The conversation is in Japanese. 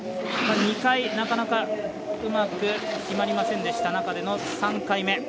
２回、うまく決まりませんでした中での３回目。